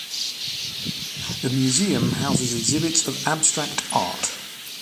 The museum houses exhibits of abstract art.